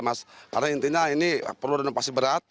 karena intinya ini perlu renovasi berat